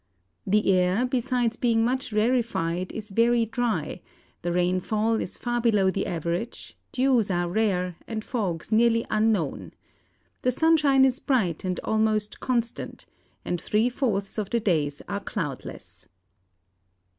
The air, besides being much rarefied, is very dry; the rainfall is far below the average, dews are rare, and fogs nearly unknown. The sunshine is bright and almost constant, and three fourths of the days are cloudless."